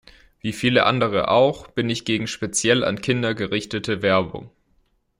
Wie viele andere auch, bin ich gegen speziell an Kinder gerichtete Werbung.